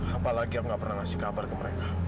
apalagi aku nggak pernah ngasih kabar ke mereka